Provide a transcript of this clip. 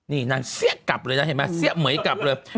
นี่นางเสี้ยกลับเลยนะเห็นไหมเสี้ยเหมือยกลับเลย